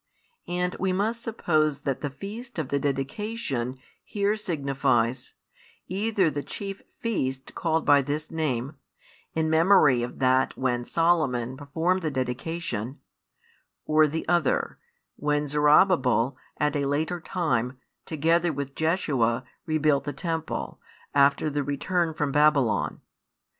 And we must suppose that the feast of the dedication here signifies, either the chief feast [called by this name], in memory of that when Solomon performed the dedication; or [the other], when Zorobabel at a later time, together with Jeshua, rebuilt the temple, after the return from Babylon.